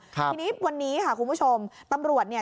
ทีนี้วันนี้ค่ะคุณผู้ชมตำรวจเนี่ย